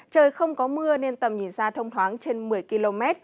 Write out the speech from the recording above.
trời không có mưa nên tầm nhìn xa thông thoáng trên một mươi km